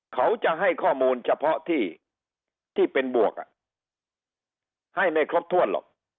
เขาจะให้ข้อมูลเฉพาะที่เป็นบวกให้ไม่ครบถ้วนหรอก